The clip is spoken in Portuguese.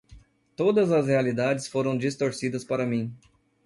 Todas as realidades foram distorcidas para mim.